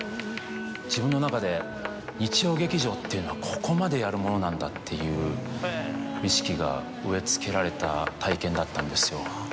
自分の中で日曜劇場っていうのはここまでやるものなんだっていう意識が植え付けられた体験だったんですよ。